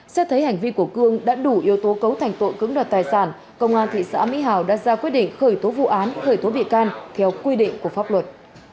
xét thấy hành vi của cương đã đủ yếu tố cấu thành tội cứng đoạt tài sản công an thị xã mỹ hào đã ra quyết định khởi tố vụ án khởi tố bị can theo quy định của pháp luật